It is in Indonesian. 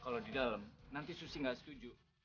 kalau di dalam nanti susi nggak setuju